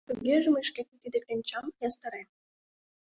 — Тугеже мый шкетын тиде кленчам ястарем.